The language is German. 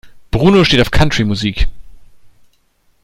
Bruno steht auf Country-Musik.